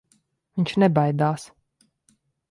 Viņš nebaidās.